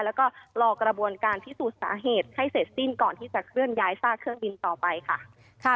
แล้วก็รอกระบวนการพิสูจน์สาเหตุให้เสร็จสิ้นก่อนที่จะเคลื่อนย้ายซากเครื่องบินต่อไปค่ะ